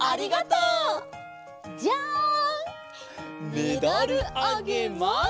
メダルあげます！